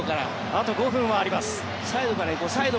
あと５分はあります。